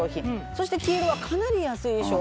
そして黄色はかなり安い商品。